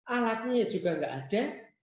alatnya juga enggak ada